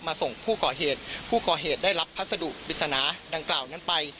ส่งผู้ก่อเหตุผู้ก่อเหตุได้รับพัสดุปริศนาดังกล่าวนั้นไป